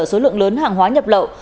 số lượng lớn hàng hóa nhập lậu